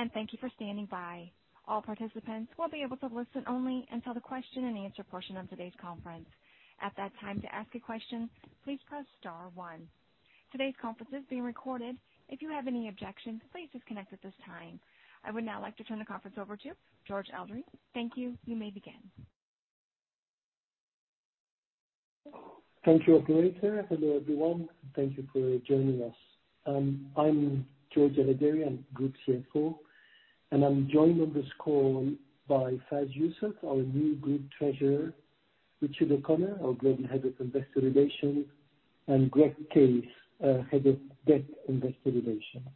Welcome, and thank you for standing by. All participants will be able to listen only until the question and answer portion of today's conference. At that time, to ask a question, please press star one. Today's conference is being recorded. If you have any objections, please disconnect at this time. I would now like to turn the conference over to Georges Elhedery. Thank you. You may begin. Thank you, operator. Hello everyone, thank you for joining us. I'm Georges Elhedery, I'm Group CFO, and I'm joined on this call by Faisal Yousaf, our new Group Treasurer, Richard O'Connor, our Global Head of Investor Relations, and Greg Case, Head of Debt Investor Relations.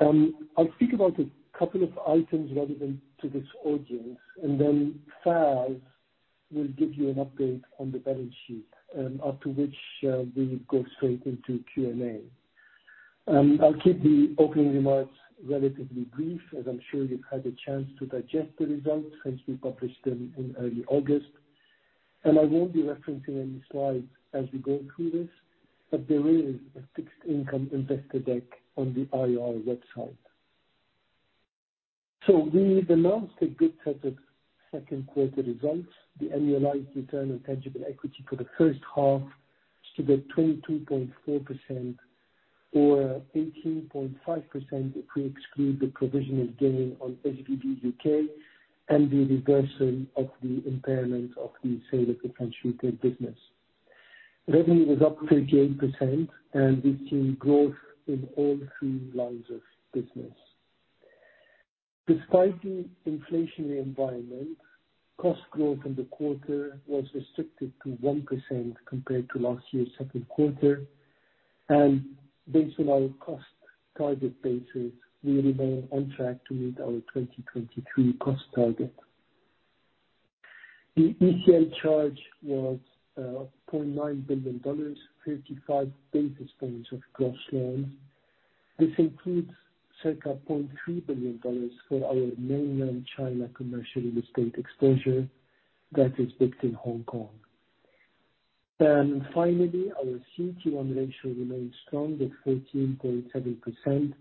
I'll speak about a couple of items relevant to this audience, and then Faisal will give you an update on the balance sheet, after which, we will go straight into Q&A. I'll keep the opening remarks relatively brief, as I'm sure you've had a chance to digest the results since we published them in early August. I won't be referencing any slides as we go through this, but there is a fixed income investor deck on the IR website. We announced a good set of second quarter results. The annualized return on tangible equity for the first half stood at 22.4%, or 18.5% if we exclude the provisional gain on SVB UK, and the reversal of the impairment of the sale of the French retail business. Revenue was up 38%, and we've seen growth in all three lines of business. Despite the inflationary environment, cost growth in the quarter was restricted to 1% compared to last year's second quarter, and based on our cost target basis, we remain on track to meet our 2023 cost target. The ECL charge was point nine billion dollars, 35 basis points of gross loans. This includes circa $0.3 billion for our mainland China commercial real estate exposure that is booked in Hong Kong. Finally, our CET1 ratio remains strong at 14.7%,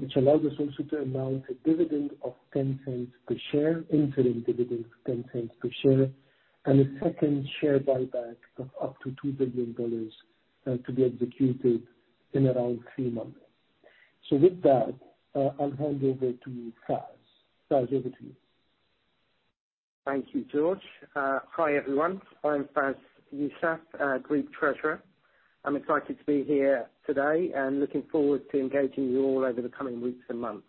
which allows us also to announce a dividend of $0.10 per share, interim dividend of $0.10 per share, and a second share buyback of up to $2 billion, to be executed in around three months. With that, I'll hand over to Faz. Faz, over to you. Thank you, Georges. Hi, everyone. I'm Faz Yousaf, Group Treasurer. I'm excited to be here today and looking forward to engaging you all over the coming weeks and months.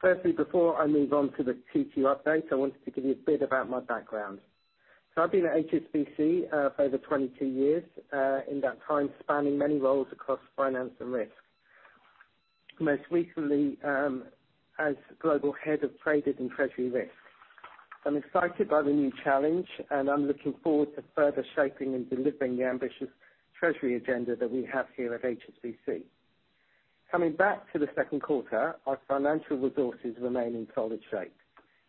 Firstly, before I move on to the Q2 update, I wanted to give you a bit about my background. So I've been at HSBC for over 22 years, in that time spanning many roles across finance and risk. Most recently, as Global Head of Trade and Treasury Risk. I'm excited by the new challenge, and I'm looking forward to further shaping and delivering the ambitious treasury agenda that we have here at HSBC. Coming back to the second quarter, our financial resources remain in solid shape.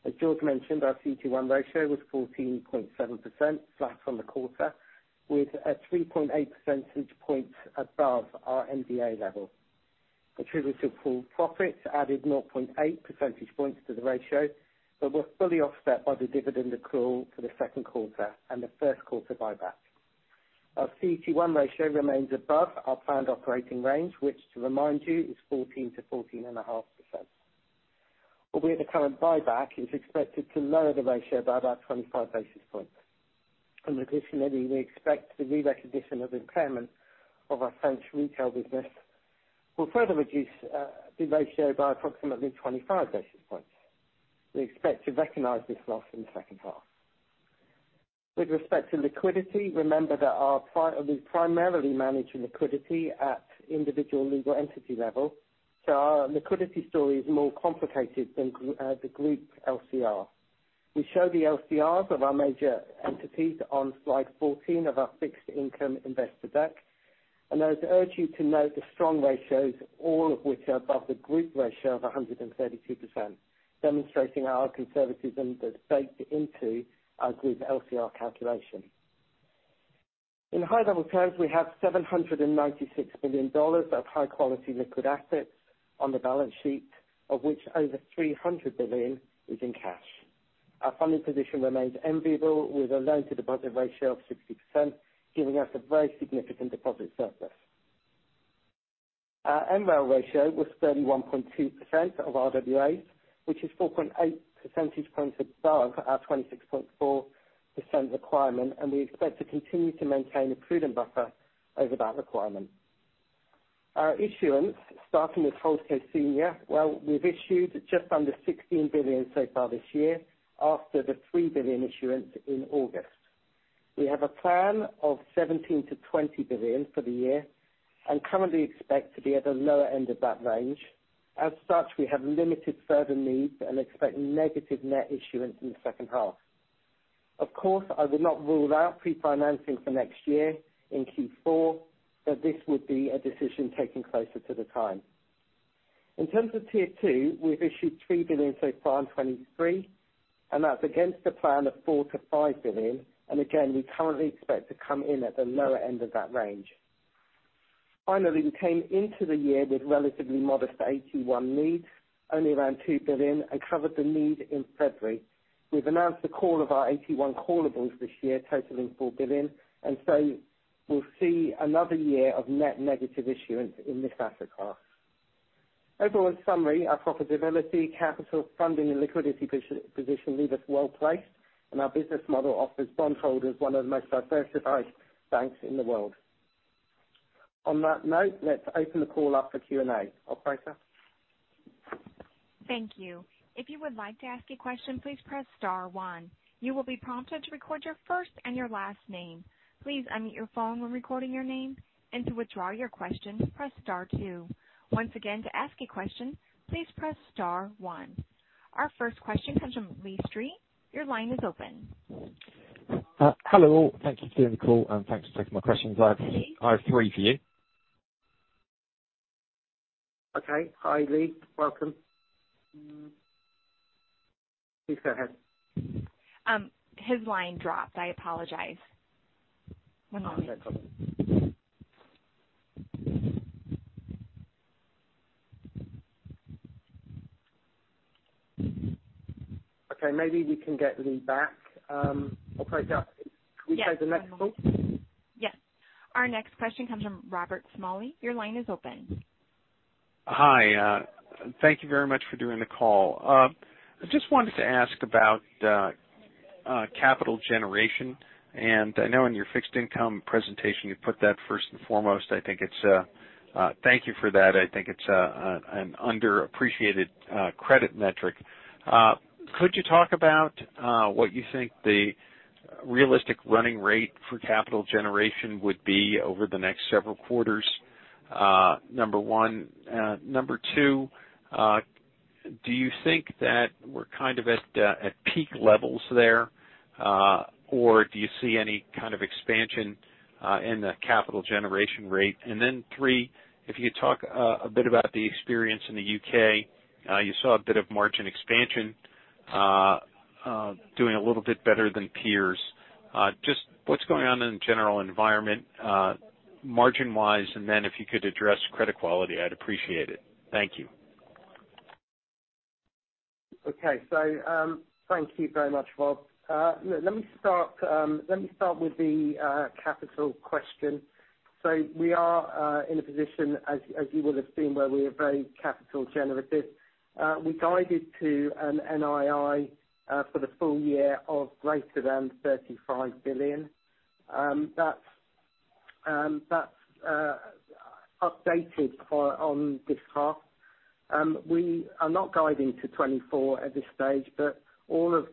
As Georges mentioned, our CET1 ratio was 14.7%, flat on the quarter, with 3.8 percentage points above our MDA level. Attributable profits added 0.8 percentage points to the ratio, but were fully offset by the dividend accrual for the second quarter and the first quarter buyback. Our CET1 ratio remains above our planned operating range, which to remind you, is 14%-14.5%, albeit the current buyback is expected to lower the ratio by about 25 basis points. Additionally, we expect the rerecognition of impairment of our French retail business will further reduce the ratio by approximately 25 basis points. We expect to recognize this loss in the second half. With respect to liquidity, remember that we primarily manage liquidity at individual legal entity level, so our liquidity story is more complicated than the group LCR. We show the LCRs of our major entities on slide 14 of our fixed income investor deck, and I would urge you to note the strong ratios, all of which are above the group ratio of 132%, demonstrating our conservatism that's baked into our group LCR calculation. In high level terms, we have $796 billion of high quality liquid assets on the balance sheet, of which over $300 billion is in cash. Our funding position remains enviable, with a loan-to-deposit ratio of 60%, giving us a very significant deposit surplus. Our MREL ratio was 31.2% of our RWAs, which is 4.8 percentage points above our 26.4% requirement, and we expect to continue to maintain a prudent buffer over that requirement. Our issuance, starting with Wholesale Senior, well, we've issued just under $16 billion so far this year after the $3 billion issuance in August. We have a plan of $17 billion-$20 billion for the year and currently expect to be at the lower end of that range. As such, we have limited further needs and expect negative net issuance in the second half. Of course, I would not rule out pre-financing for next year in Q4, but this would be a decision taken closer to the time. In terms of Tier 2, we've issued $3 billion so far in 2023, and that's against the plan of $4 billion-$5 billion, and again, we currently expect to come in at the lower end of that range. Finally, we came into the year with relatively modest AT1 needs, only around $2 billion, and covered the need in February. We've announced the call of our AT1 callables this year, totaling $4 billion, and so we'll see another year of net negative issuance in this asset class. Overall, in summary, our profitability, capital, funding and liquidity position leave us well placed, and our business model offers bondholders one of the most diversified banks in the world. On that note, let's open the call up for Q&A. Operator? Thank you. If you would like to ask a question, please press star one. You will be prompted to record your first and your last name. Please unmute your phone when recording your name, and to withdraw your question, press star two. Once again, to ask a question, please press star one. Our first question comes from Lee Street. Your line is open. Hello all. Thank you for doing the call, and thanks for taking my questions. I have three for you. Okay. Hi, Lee. Welcome. Please go ahead. His line dropped. I apologize. One moment. No problem. Okay, maybe we can get Lee back. Operator, can we take the next call? Yes. Our next question comes from Robert Smalley. Your line is open. Hi, thank you very much for doing the call. I just wanted to ask about capital generation, and I know in your fixed income presentation, you put that first and foremost. I think it's, thank you for that. I think it's an underappreciated credit metric. Could you talk about what you think the realistic running rate for capital generation would be over the next several quarters? Number one. Number two, do you think that we're kind of at peak levels there, or do you see any kind of expansion in the capital generation rate? And then three, if you could talk a bit about the experience in the U.K. You saw a bit of margin expansion doing a little bit better than peers. Just what's going on in the general environment, margin-wise, and then if you could address credit quality, I'd appreciate it. Thank you. Okay. So, thank you very much, Rob. Let me start with the capital question. So we are in a position, as you will have seen, where we are very capital generative. We guided to an NII for the full year of greater than $35 billion. That's updated for on this half. We are not guiding to 2024 at this stage, but all of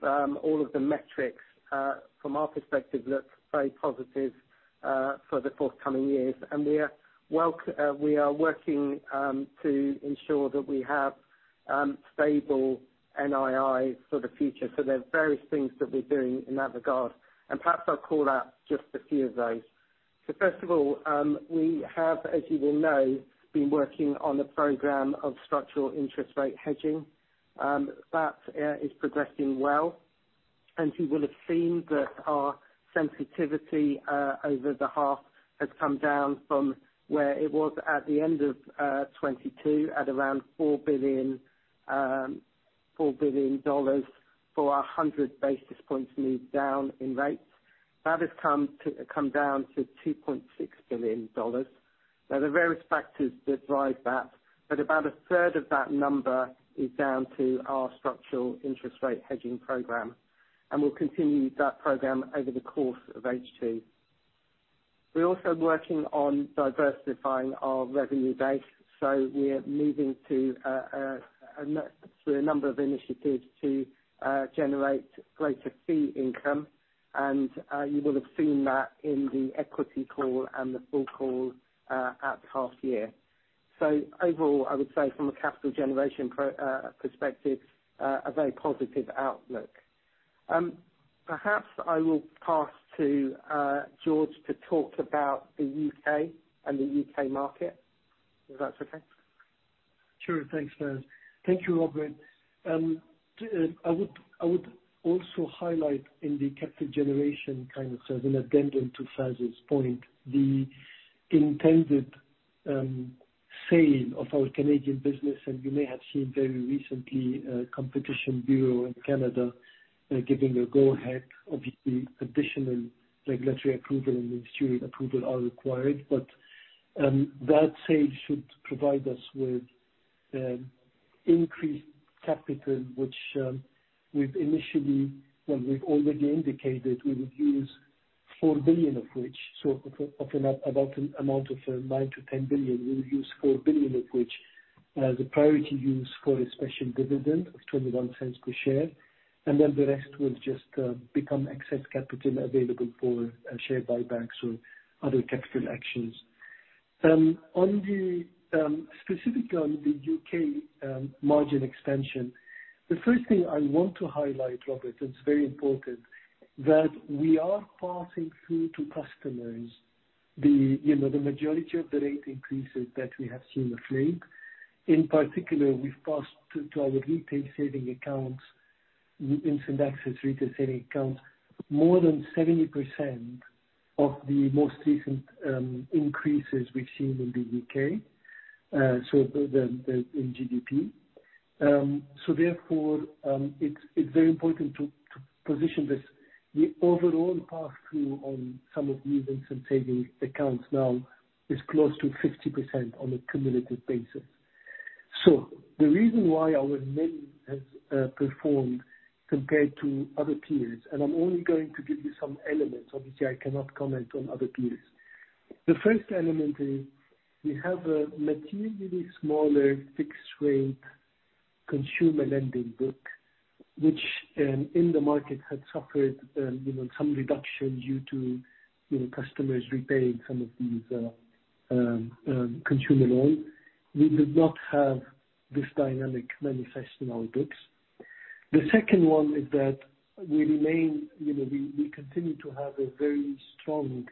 the metrics from our perspective look very positive for the forthcoming years. And we are working to ensure that we have stable NII for the future. So there are various things that we're doing in that regard, and perhaps I'll call out just a few of those. So first of all, we have, as you will know, been working on a program of structural interest rate hedging that is progressing well. And you will have seen that our sensitivity over the half has come down from where it was at the end of 2022 at around $4 billion for our 100 basis points move down in rates. That has come down to $2.6 billion. There are various factors that drive that, but about a third of that number is down to our structural interest rate hedging program, and we'll continue that program over the course of H2. We're also working on diversifying our revenue base, so we're moving to a number of initiatives to generate greater fee income. You will have seen that in the equity call and the full call at half year. So overall, I would say from a capital generation perspective, a very positive outlook. Perhaps I will pass to Georges to talk about the U.K. and the U.K. market, if that's okay. Sure. Thanks, Faz. Thank you, Robert. I would, I would also highlight in the capital generation, kind of as an addendum to Faz's point, the intended sale of our Canadian business, and you may have seen very recently, a Competition Bureau in Canada giving the go-ahead. Obviously, additional regulatory approval and ministry approval are required, but that sale should provide us with increased capital, which we've initially. Well, we've already indicated we would use $4 billion of which, so of about an amount of $9 billion-$10 billion, we would use $4 billion of which, as a priority use for a special dividend of $0.21 per share, and then the rest will just become excess capital available for share buybacks or other capital actions. On the specifically on the U.K. margin expansion, the first thing I want to highlight, Robert, it's very important that we are passing through to customers, you know, the majority of the rate increases that we have seen of late. In particular, we've passed through to our retail savings accounts, instant access retail savings accounts, more than 70% of the most recent increases we've seen in the U.K.. So therefore, it's very important to position this. The overall pass-through on some of the instant savings accounts now is close to 50% on a cumulative basis. So the reason why our NIM has performed compared to other peers, and I'm only going to give you some elements, obviously I cannot comment on other peers. The first element is we have a materially smaller fixed rate consumer lending book, which, in the market had suffered, you know, some reduction due to, you know, customers repaying some of these, consumer loans. We did not have this dynamic manifest in our books. The second one is that we remain, you know, we continue to have a very strong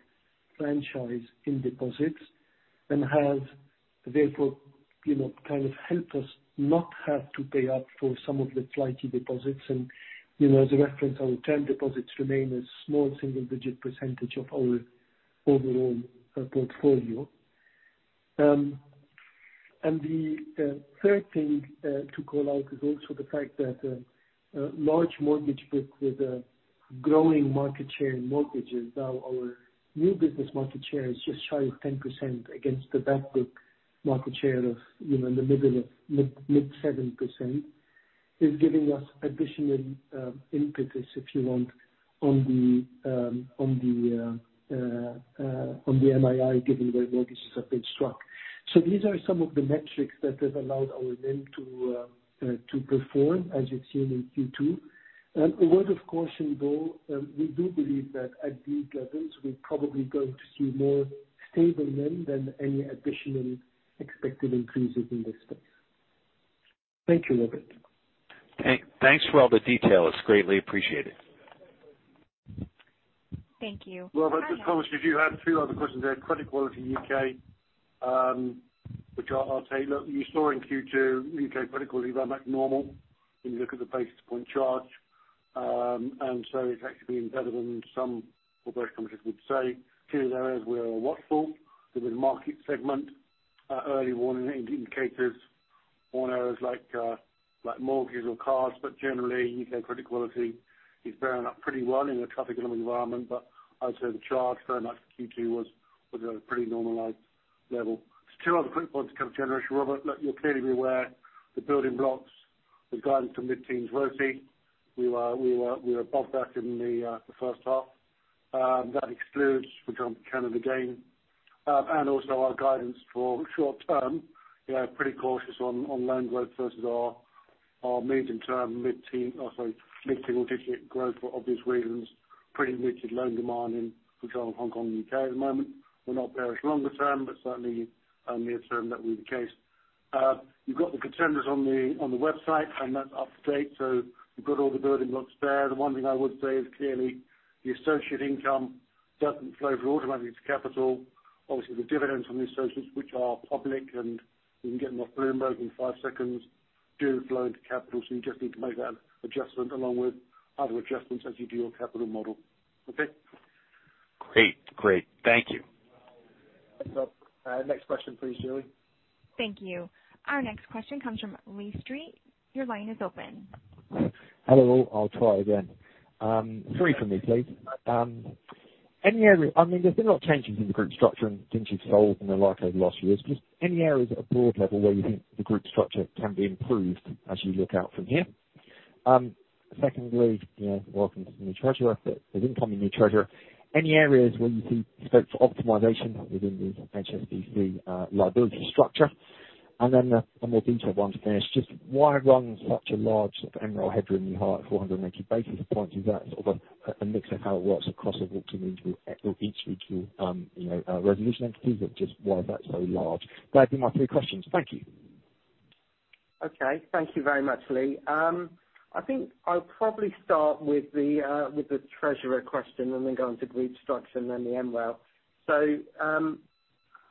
franchise in deposits and have therefore, you know, kind of helped us not have to pay up for some of the flighty deposits. And, you know, as a reference, our term deposits remain a small single digit percentage of our overall, portfolio. And the, third thing, to call out is also the fact that, a large mortgage book with a growing market share in mortgages. Now, our new business market share is just shy of 10% against the back book market share of, you know, in the mid-7%, is giving us additional impetus, if you want, on the NIM, given where mortgages have been struck. So these are some of the metrics that have allowed our NIM to perform as you've seen in Q2. A word of caution, though, we do believe that at these levels, we're probably going to see more stable NIM than any additional expected increases in this space. Thank you, Robert. Thanks for all the detail. It's greatly appreciated. Thank you. Robert, just promise, did you have two other questions there? Credit quality U.K., which I'll, I'll tell you. Look, you saw in Q2 U.K. credit quality went back normal, when you look at the basis point charge. And so it's actually been better than some other companies would say. Two areas we are watchful with the market segment, early warning indicators on areas like, like mortgages or cars, but generally U.K. credit quality is bearing up pretty well in a tough economic environment. But I'd say the charge very much for Q2 was, was at a pretty normalized level. Two other quick points to cover, Robert. Look, you're clearly aware, the building blocks, the guidance to mid-teens ROE. We were, we were, we were above that in the, the first half. That excludes the count of the gain, and also our guidance for short term, you know, pretty cautious on, on loan growth versus our, our medium term, mid-single digit growth for obvious reasons. Pretty muted loan demand in Hong Kong and U.K. at the moment. We're not there longer term, but certainly, near term, that will be the case. You've got the contenders on the, on the website, and that's up to date, so you've got all the building blocks there. The one thing I would say is clearly the associate income doesn't flow through automatically to capital. Obviously, the dividends from the associates, which are public, and you can get them off Bloomberg in five seconds, do flow into capital. So you just need to make that adjustment along with other adjustments as you do your capital model. Okay? Great. Great. Thank you. Next question, please, Julie. Thank you. Our next question comes from Lee Street. Your line is open. Hello. I'll try again. Three from me, please. Any area... I mean, there's been a lot of changes in the group structure and things you've sold in the last few years. Just any areas at a broad level where you think the group structure can be improved as you look out from here? Secondly, you know, welcome to the new treasurer, but the incoming new treasurer, any areas where you see scope for optimization within the HSBC liability structure? And then a more detailed one to finish, just why run such a large MREL headroom in the region of 480 basis points? Is that sort of a mix of how it works across each individual, you know, resolution entities, or just why that's so large? That'd be my three questions. Thank you. Okay. Thank you very much, Lee. I think I'll probably start with the treasurer question and then go into group structure and then the MREL.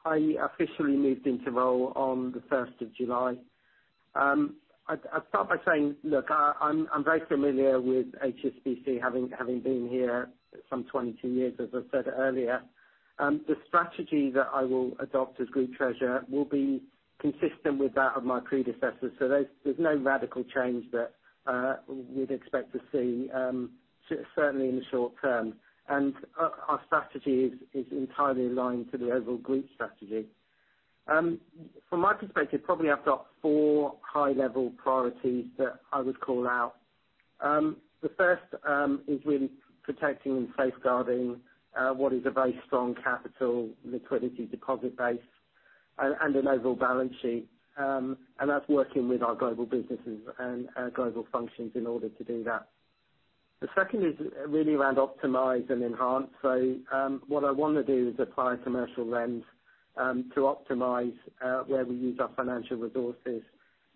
I officially moved into role on the first of July. I'd start by saying, look, I'm very familiar with HSBC having been here some 22 years, as I said earlier. The strategy that I will adopt as group treasurer will be consistent with that of my predecessors. There's no radical change that we'd expect to see, certainly in the short term. Our strategy is entirely aligned to the overall group strategy. From my perspective, probably I've got four high-level priorities that I would call out. The first is really protecting and safeguarding what is a very strong capital liquidity deposit base and an overall balance sheet. And that's working with our global businesses and global functions in order to do that. The second is really around optimize and enhance. So, what I want to do is apply a commercial lens to optimize where we use our financial resources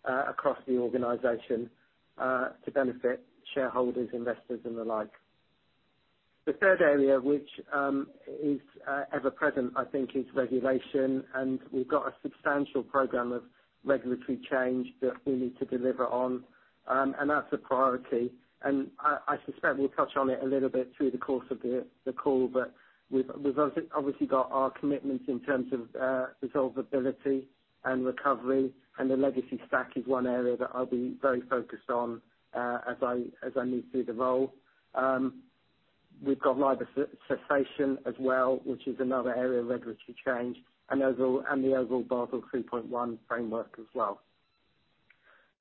across the organization, to benefit shareholders, investors, and the like. The third area, which is ever present, I think, is regulation, and we've got a substantial program of regulatory change that we need to deliver on. And that's a priority, and I suspect we'll touch on it a little bit through the course of the call, but we've obviously got our commitments in terms of resolvability and recovery, and the legacy stack is one area that I'll be very focused on as I move through the role. We've got LIBOR cessation as well, which is another area of regulatory change, and overall, and the overall Basel III framework as well.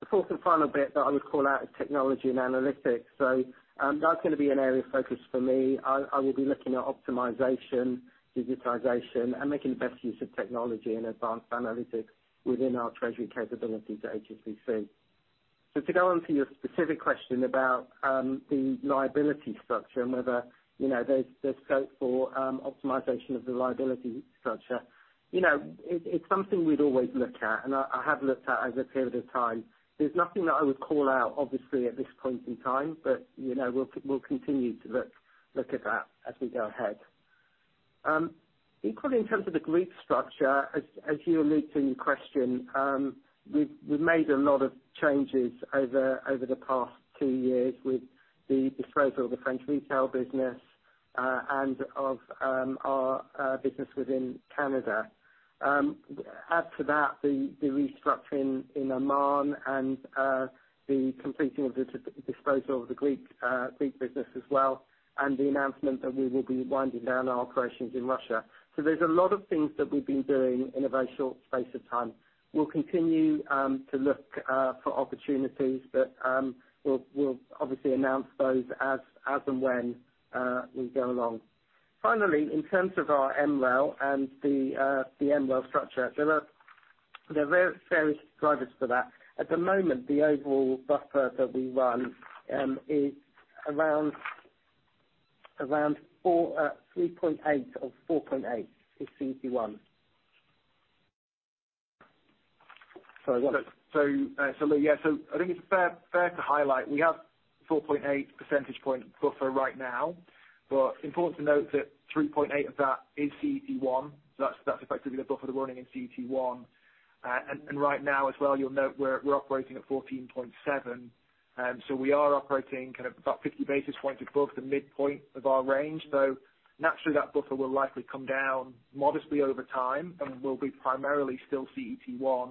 The fourth and final bit that I would call out is technology and analytics. So, that's gonna be an area of focus for me. I will be looking at optimization, digitization, and making the best use of technology and advanced analytics within our treasury capabilities at HSBC. So to go on to your specific question about the liability structure and whether, you know, there's scope for optimization of the liability structure. You know, it's something we'd always look at, and I have looked at over a period of time. There's nothing that I would call out, obviously, at this point in time, but, you know, we'll continue to look at that as we go ahead. Equally, in terms of the group structure, as you allude to in your question, we've made a lot of changes over the past two years with the disposal of the French retail business and of our business within Canada. Add to that, the restructuring in Oman and the completing of the disposal of the Greek business as well, and the announcement that we will be winding down our operations in Russia. So there's a lot of things that we've been doing in a very short space of time. We'll continue to look for opportunities, but we'll obviously announce those as and when we go along. Finally, in terms of our MREL and the MREL structure, there are various drivers for that. At the moment, the overall buffer that we run is around 4, 3.8 of 4.8 is CET1. Sorry, what? So, so Lou, yeah, so I think it's fair, fair to highlight, we have 4.8 percentage point buffer right now, but important to note that 3.8 of that is CET1. So that's, that's effectively the buffer that we're running in CET1. And, and right now as well, you'll note we're, we're operating at 14.7, so we are operating kind of about 50 basis points above the midpoint of our range. So naturally, that buffer will likely come down modestly over time and will be primarily still CET1,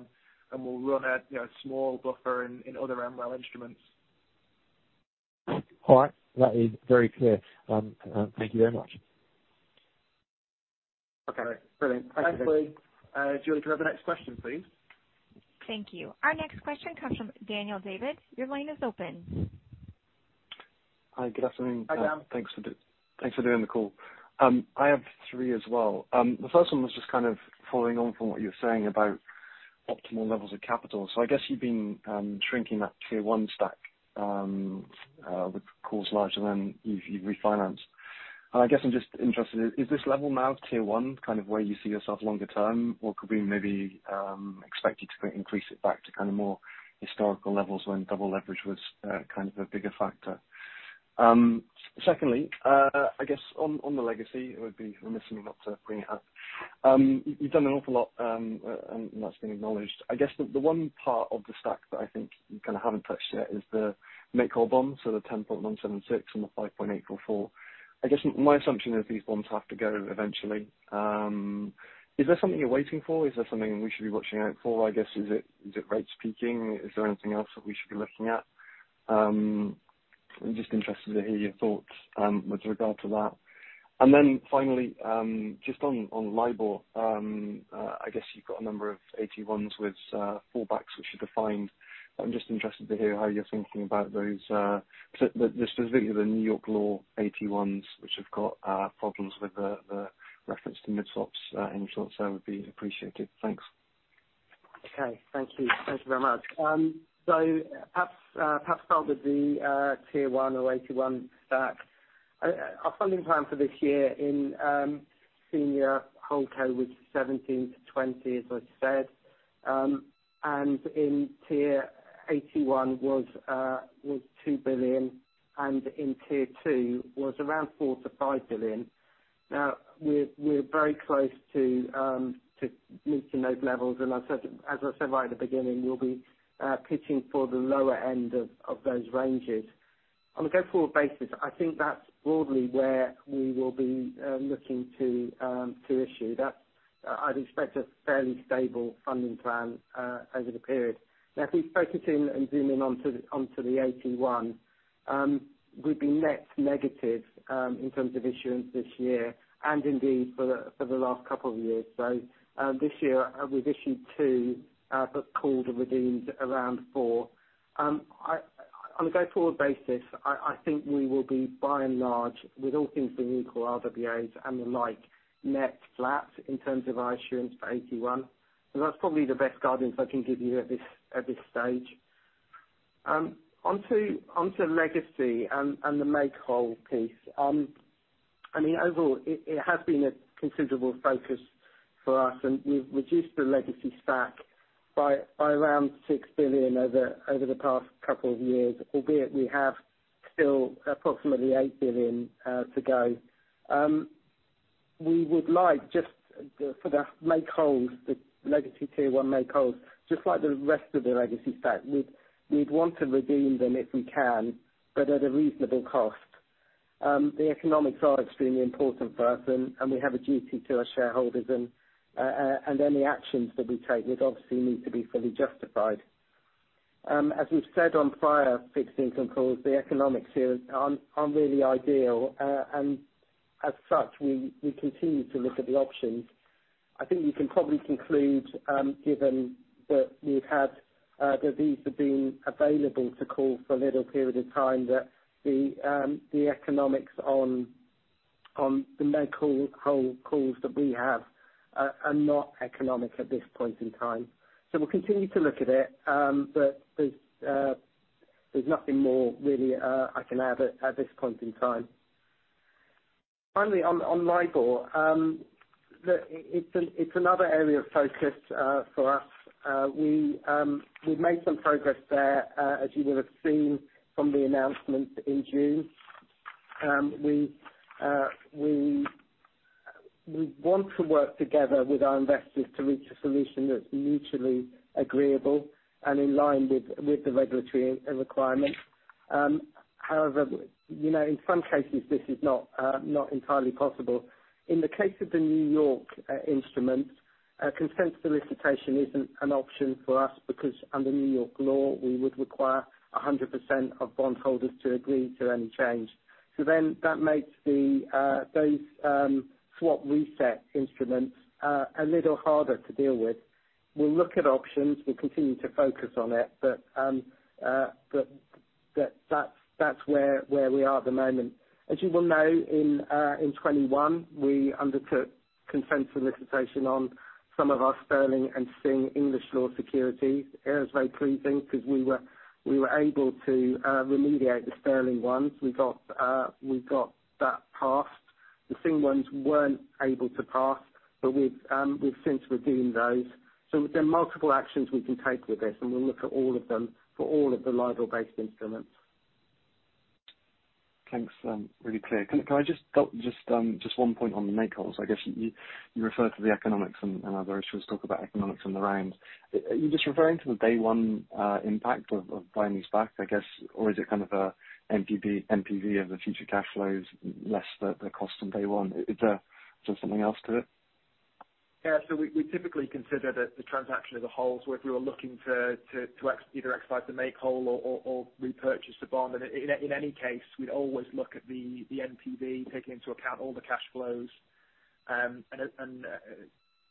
and we'll run a, you know, small buffer in, in other MREL instruments. All right. That is very clear. Thank you very much. Okay. Brilliant. Thanks, Lee. Julie, can I have the next question, please? Thank you. Our next question comes from Daniel David. Your line is open. Hi, good afternoon. Hi, Dan. Thanks for doing the call. I have three as well. The first one was just kind of following on from what you were saying about optimal levels of capital. So I guess you've been shrinking that Tier 1 stack with calls larger than you've refinanced. And I guess I'm just interested, is this level now, Tier 1, kind of where you see yourself longer term, or could we maybe expect you to increase it back to kind of more historical levels when double leverage was kind of a bigger factor? Secondly, I guess on the legacy, it would be remiss of me not to bring it up. You've done an awful lot, and that's been acknowledged. I guess the one part of the stack that I think you kind of haven't touched yet is the make-whole bonds, so the 10.176 and the 5.844. I guess my assumption is these bonds have to go eventually. Is that something you're waiting for? Is that something we should be watching out for, I guess? Is it rates peaking? Is there anything else that we should be looking at? I'm just interested to hear your thoughts with regard to that. Finally, just on LIBOR, I guess you've got a number of AT1s with fallbacks which are defined. I'm just interested to hear how you're thinking about those, specifically the New York law AT1s, which have got problems with the reference to mid swaps in short, so would be appreciated. Thanks. Okay. Thank you. Thank you very much. So perhaps, perhaps start with the, Tier 1 or AT1 stack. Our funding plan for this year in, senior holdco, which is 17-20, as I said, and in Tier AT1 was two billion, and in Tier 2 was around $4 billion-$5 billion. Now, we're very close to meeting those levels, and I said- as I said right at the beginning, we'll be pitching for the lower end of those ranges. On a go-forward basis, I think that's broadly where we will be looking to issue. That's, I'd expect a fairly stable funding plan over the period. Now, if we focus in and Zoom in onto the, onto the AT1, we've been net negative in terms of issuance this year and indeed for the last couple of years. So, this year we've issued two, but called and redeemed around four. On a go-forward basis, I think we will be, by and large, with all things being equal, RWAs and the like, net flat in terms of our issuance for AT1. So that's probably the best guidance I can give you at this stage. Onto legacy and the make whole piece. I mean, overall, it has been a considerable focus for us, and we've reduced the legacy stack by around $6 billion over the past couple of years, albeit we have still approximately $8 billion to go. We would like just for the make-wholes, the legacy Tier 1 make-wholes, just like the rest of the legacy stack, we'd want to redeem them if we can, but at a reasonable cost. The economics are extremely important for us, and we have a duty to our shareholders, and any actions that we take would obviously need to be fully justified. As we've said on prior fixed income calls, the economics here aren't really ideal. And as such, we continue to look at the options. I think you can probably conclude, given that we've had that these have been available to call for a little period of time, that the economics on the make-whole calls that we have are not economic at this point in time. So we'll continue to look at it, but there's, there's nothing more really, I can add at, at this point in time. Finally, on, on LIBOR, look, it's another area of focus, for us. We've made some progress there, as you will have seen from the announcement in June. We want to work together with our investors to reach a solution that's mutually agreeable and in line with, with the regulatory, requirements. However, you know, in some cases, this is not, not entirely possible. In the case of the New York, instrument, a consent solicitation isn't an option for us, because under New York law, we would require 100% of bondholders to agree to any change. So then, that makes the, those, swap reset instruments a little harder to deal with. We'll look at options. We'll continue to focus on it, but, but that's, that's where, where we are at the moment. As you well know, in, in 2021, we undertook consent solicitation on some of our sterling and Singapore English law securities. It was very pleasing because we were, we were able to, remediate the sterling ones. We got, we got that passed. The Singapore ones weren't able to pass, but we've, we've since redeemed those. So there are multiple actions we can take with this, and we'll look at all of them for all of the LIBOR-based instruments. Thanks. Really clear. Can I just go just one point on the make-wholes. I guess you referred to the economics and others talk about economics and the range. Are you just referring to the day one impact of buying these back, I guess, or is it kind of an NPV of the future cash flows less the cost on day one? Is there something else to it? Yeah, so we typically consider the transaction as a whole. So if we were looking to either exercise the make whole or repurchase the bond, and in any case, we'd always look at the NPV, taking into account all the cash flows, and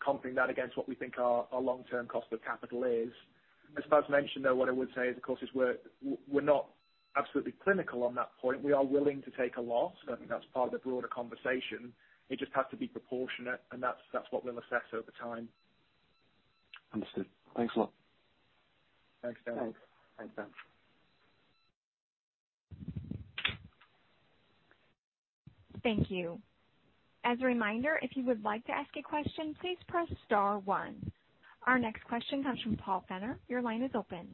comping that against what we think our long-term cost of capital is. As Bob mentioned, though, what I would say is, of course, we're not absolutely clinical on that point. We are willing to take a loss, but I think that's part of the broader conversation. It just has to be proportionate, and that's what we'll assess over time. Understood. Thanks a lot. Thanks, Dan. Thanks. Thanks, Dan. Thank you. As a reminder, if you would like to ask a question, please press star one. Our next question comes from Paul Fenner. Your line is open.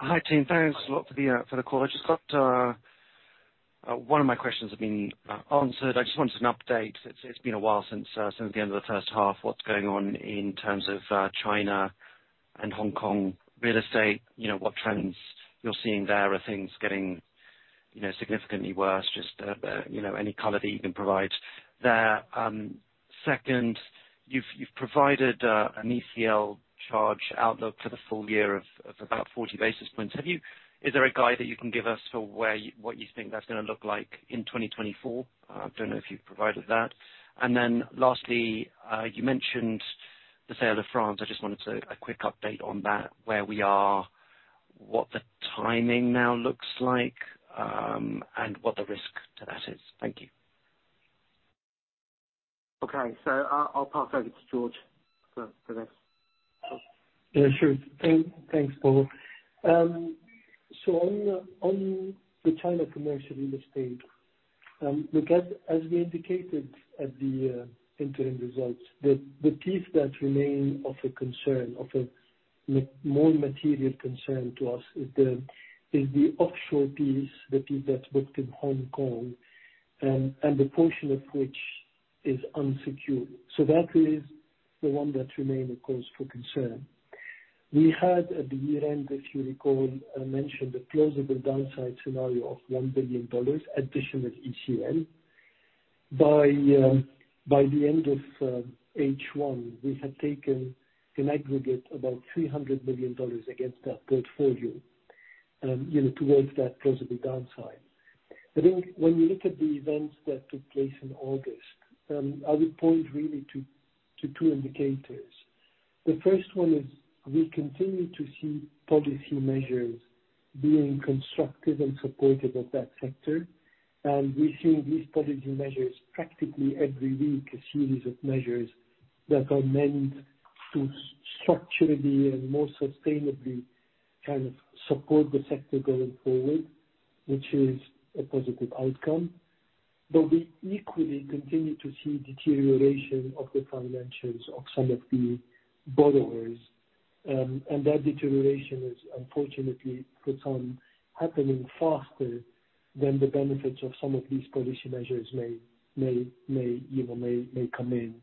Hi, team. Thanks a lot for the call. I just got one of my questions have been answered. I just wanted an update. It's been a while since the end of the first half. What's going on in terms of China and Hong Kong real estate? You know, what trends you're seeing there. Are things getting, you know, significantly worse? Just you know, any color that you can provide there. Second, you've provided an ECL charge outlook for the full year of about 40 basis points. Have you? Is there a guide that you can give us for where, what you think that's gonna look like in 2024? I don't know if you've provided that. And then lastly, you mentioned the sale of France. I just wanted to, a quick update on that, where we are, what the timing now looks like, and what the risk to that is. Thank you. Okay, so I'll pass over to Georges for this. Yeah, sure. Thanks, Paul. So on the China commercial real estate, look, as we indicated at the interim results, the piece that remain of a concern, of a more material concern to us is the offshore piece, the piece that's booked in Hong Kong, and the portion of which is unsecured. So that is the one that remain a cause for concern. We had, at the year end, if you recall, I mentioned the plausible downside scenario of $1 billion addition with ECL. By the end of H1, we had taken in aggregate about $300 million against that portfolio, you know, towards that plausible downside. I think when you look at the events that took place in August, I would point really to two indicators. The first one is we continue to see policy measures being constructive and supportive of that sector. We've seen these policy measures practically every week, a series of measures that are meant to structurally and more sustainably kind of support the sector going forward, which is a positive outcome. But we equally continue to see deterioration of the financials of some of the borrowers, and that deterioration is unfortunately continuing to happen faster than the benefits of some of these policy measures may, you know, come in.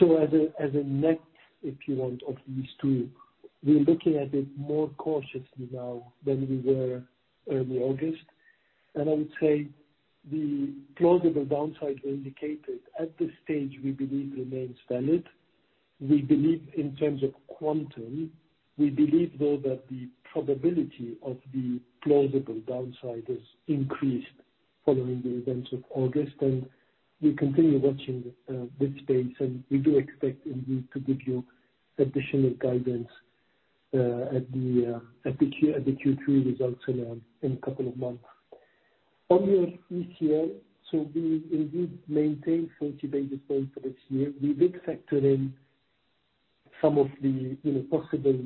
So as a net effect, if you want, of these two, we're looking at it more cautiously now than we were early August. I would say the plausible downside indicated at this stage, we believe remains valid. We believe in terms of quantum, we believe though, that the probability of the plausible downside has increased following the events of August, and we continue watching this space, and we do expect indeed to give you additional guidance at the Q3 results in a couple of months. On your NCL, so we indeed maintain 40 basis points for this year. We did factor in some of the, you know, possible,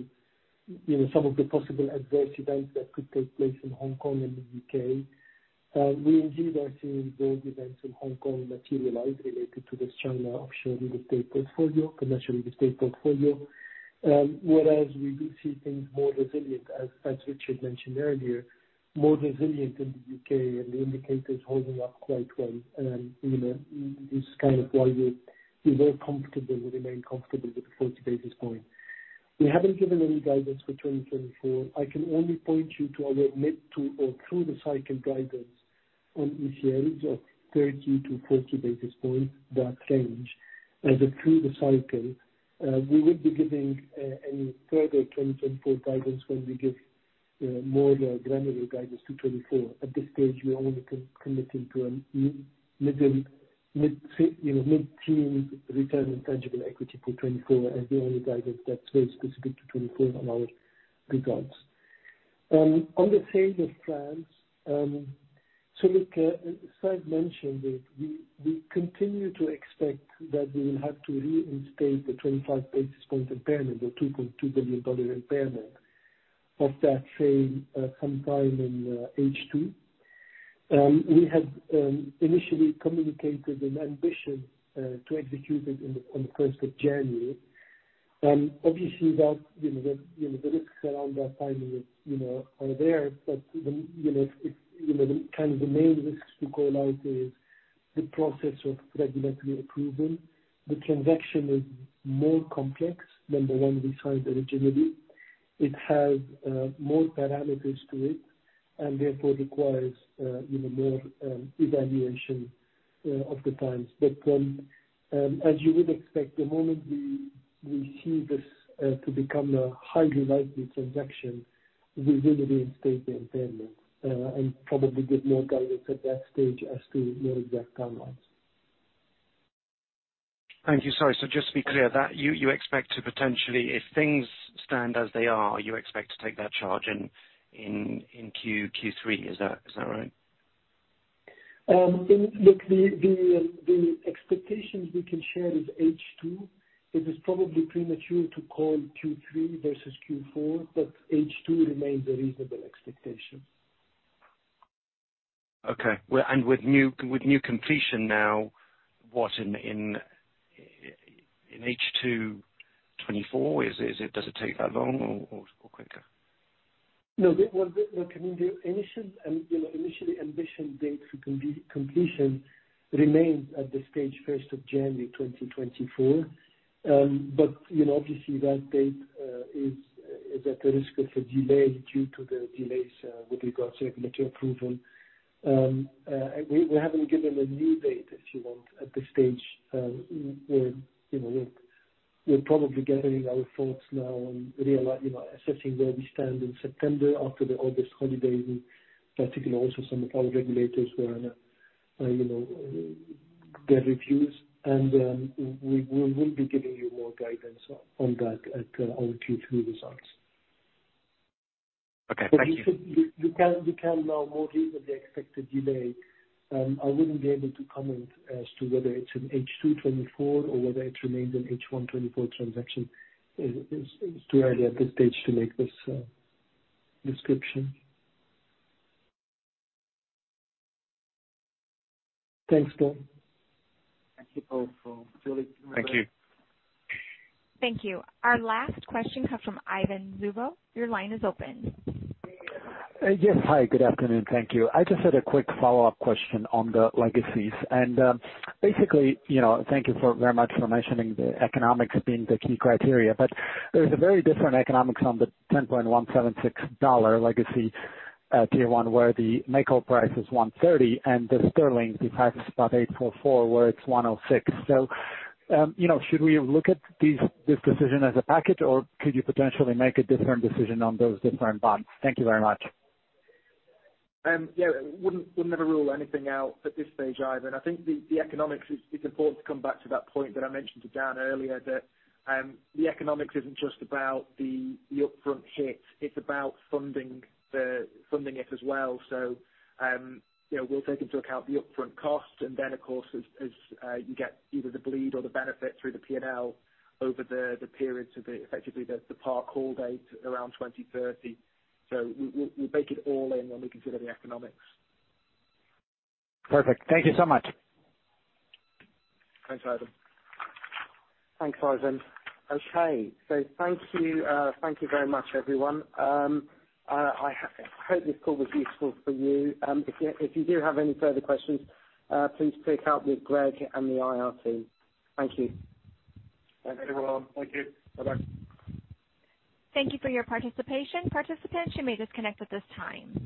you know, some of the possible adverse events that could take place in Hong Kong and the U.K.. We indeed are seeing those events in Hong Kong materialize related to this China offshore real estate portfolio, commercial real estate portfolio. Whereas we do see things more resilient, as Richard mentioned earlier, more resilient in the U.K. and the indicators holding up quite well. You know, this is kind of why we're very comfortable. We remain comfortable with the 40 basis points. We haven't given any guidance for 2024. I can only point you to our mid- to through-the-cycle guidance on ECLs of 30-40 basis points, that range. As a through-the-cycle, we will be giving any further 2024 guidance when we give more granular guidance to 2024. At this stage, we are only committing to a mid-teen return on tangible equity for 2024 as the only guidance that's very specific to 2024 on our regards. On the sale of France, so look, as Faisal mentioned, we continue to expect that we will have to reinstate the 25 basis point impairment or $2.2 billion impairment of that sale, sometime in H2. We had initially communicated an ambition to execute it on the first of January. Obviously, that, you know, the risks around that timing, you know, are there, but you know, it's the kind of the main risks to call out is the process of regulatory approval. The transaction is more complex than the one we signed originally. It has more parameters to it, and therefore requires, you know, more evaluation of the times. But, as you would expect, the moment we see this to become a highly likely transaction, we will reinstate the impairment, and probably give more guidance at that stage as to more exact timelines. Thank you. Sorry, so just to be clear, that you expect to potentially, if things stand as they are, you expect to take that charge in Q3. Is that right? The expectations we can share is H2. It is probably premature to call Q3 versus Q4, but H2 remains a reasonable expectation. Okay. Well, with new completion now, what in H2 2024, is it... Does it take that long or quicker? No, well, well, look, I mean, the initial, you know, initially ambition date to completion remains at this stage, first of January 2024. But, you know, obviously, that date is at the risk of a delay due to the delays with regards to regulatory approval. And we haven't given a new date, if you want, at this stage. We're, you know, we're, we're probably gathering our thoughts now and you know, assessing where we stand in September after the August holiday, and particularly also some of our regulators were on, you know, their reviews. And we will be giving you more guidance on that at our Q3 results. Okay, thank you. But you should—you can now more easily expect the delay. I wouldn't be able to comment as to whether it's an H2 2024 or whether it remains an H1 2024 transaction. It's too early at this stage to make this description. Thanks, Georges. Thank you both for Thank you. Thank you. Our last question comes from Ivan Zubov. Your line is open. Yes. Hi, good afternoon. Thank you. I just had a quick follow-up question on the legacies. Basically, you know, thank you very much for mentioning the economics being the key criteria. But there is a very different economics on the $10.176 dollar legacy, Tier 1, where the makeup price is $130, and the sterling, the price is about 844, where it's 106. So, you know, should we look at these, this decision as a package, or could you potentially make a different decision on those different bonds? Thank you very much. Yeah, wouldn't ever rule anything out at this stage, either. And I think the economics is, it's important to come back to that point that I mentioned to Dan earlier, that the economics isn't just about the upfront hit, it's about funding it as well. So, you know, we'll take into account the upfront costs, and then, of course, as you get either the bleed or the benefit through the P&L over the periods of the effectively the par call date around 2030. So we bake it all in when we consider the economics. Perfect. Thank you so much. Thanks, Ivan. Thanks, Ivan. Okay. So thank you, thank you very much, everyone. I hope this call was useful for you. If you, if you do have any further questions, please take help with Greg and the IR team. Thank you. Thanks, everyone. Thank you. Bye-bye. Thank you for your participation. Participants, you may disconnect at this time.